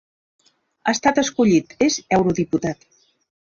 Ha estat escollit, és eurodiputat.